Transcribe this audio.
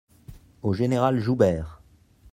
Au général Joubert.